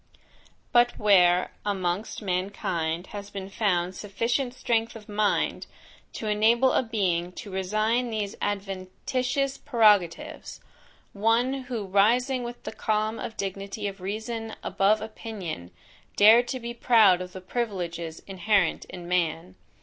But, where, amongst mankind has been found sufficient strength of mind to enable a being to resign these adventitious prerogatives; one who rising with the calm dignity of reason above opinion, dared to be proud of the privileges inherent in man?